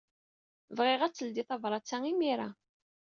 Bɣiɣ ad teldey tebṛat-a imir-a.